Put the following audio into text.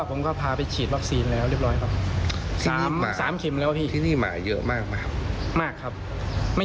ตอนกลางคืนเขาขึ้นนอนบนรถเลย